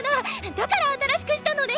だから新しくしたのね